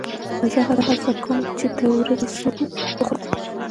زه هڅه کوم چې د ورځې سبو وخورم.